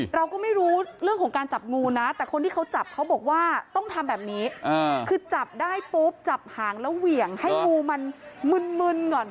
เราก็ไม่รู้เรื่องของการจับงูนะแต่คนที่เขาจับเขาบอกว่าต้องทำแบบนี้คือจับได้ปุ๊บจับหางแล้วเหวี่ยงให้งูมันมึนก่อน